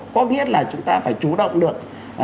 có nghĩa là chúng ta phải chú động được